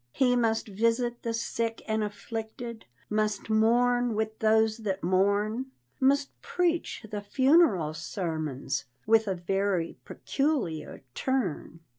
He must visit the sick and afflicted, Must mourn with those that mourn, Must preach the "funeral sermons" With a very peculiar turn.